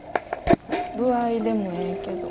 歩合でもええけど。